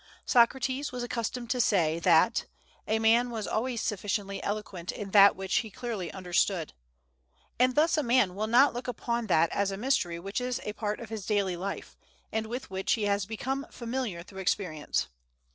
Socrates was accustomed to say that "a man was always sufficiently eloquent in that which he clearly understood;" and thus a man will not look upon that as a mystery which is a part of his daily life, and with which he has become familiar through experience.